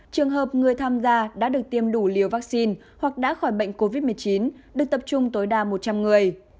trường hợp người tham gia đã được tiêm đủ liều vaccine hoặc đã khỏi bệnh covid một mươi chín được tập trung tối đa một trăm linh người